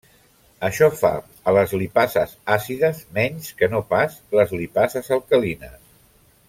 Això fa a les lipases àcides menys que no pas les lipases alcalines.